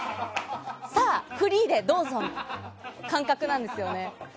さあ、フリーでどうぞの感覚なんですよね。